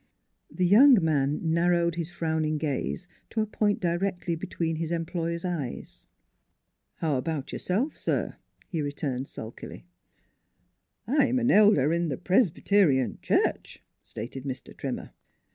" The young man narrowed his frowning gaze to a point directly between his employer's eyes. "How about yourself, sir?" he returned sulkily. " I'm an elder in the Presbyterian Church," stated Mr. Trimmer.